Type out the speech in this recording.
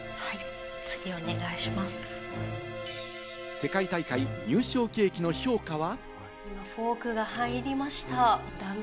世界大会入賞ケーキの評価は。